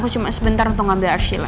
aku cuma sebentar untuk ngambil arshila